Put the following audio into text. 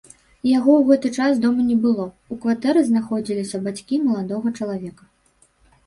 Яго ў гэты час дома не было, у кватэры знаходзіліся бацькі маладога чалавека.